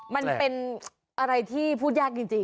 มันเป็นอะไรที่พูดยากจริง